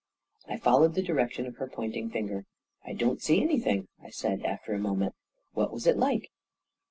I followed the direction of her pointing finger. " I don't see anything," I said, after a moment. "What was it like?"